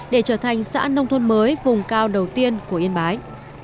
để trở thành xã nông thôn mới vùng cao đầu tiên của yên bái